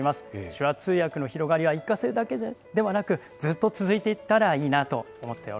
手話通訳の広がりは一過性ではなく、ずっと続いていったらいいな